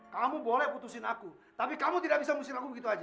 kamu boleh putuskan aku tapi kamu tidak bisa memusnahkan aku begitu saja